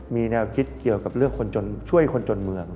มีแนวคิดเกี่ยวกับเรื่องคนช่วยคนจนเมือง